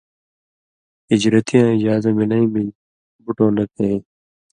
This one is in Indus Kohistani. ہِجرتِیاں اِجازہ مِلَیں مِلیۡ بُٹؤں نہ پھېں،